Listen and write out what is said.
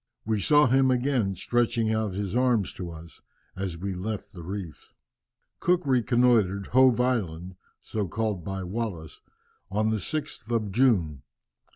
We saw him again, stretching out his arms to us, as we left the reefs." Cook reconnoitred Hove Island (so called by Wallis) on the 6th of June.